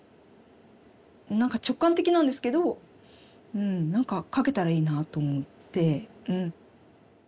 何か直感的なんですけどうん何か描けたらいいなと思って。